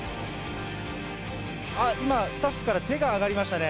あっ、今、スタッフから手が挙がりましたね。